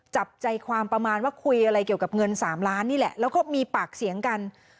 จับใจความประมาณว่าคุยอะไรเกี่ยวกับเงิน๓ล้านนี่แหละแล้วก็มีปากเสียงกัน